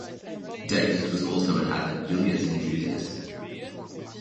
Davis was also an avid billiards enthusiast.